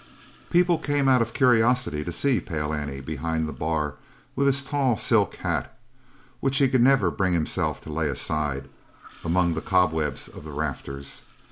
People came out of curiosity to see Pale Annie behind the bar with his tall silk hat which he could never bring himself to lay aside among the cobwebs of the rafters.